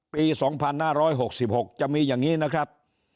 ปี๒๕๖๖จะมีอย่างนี้นะครับ